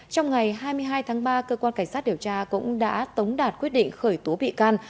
trong ngày hai mươi hai tháng ba cơ quan cảnh sát điều tra cũng đã tống đạt quyết định khởi tố bị can